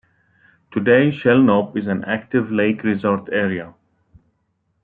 Today Shell Knob is an active lake resort area.